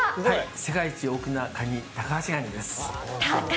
世界一大きなかに、タカアシガニです。